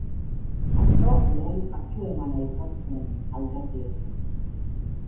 Atzo lehen hartu-emana izan zuen alderdiekin.